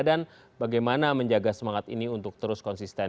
dan bagaimana menjaga semangat ini untuk terus konsisten